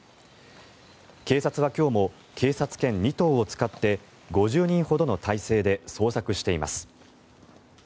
警察は今日も警察犬２頭を使って５０人ほどの態勢で捜索しています。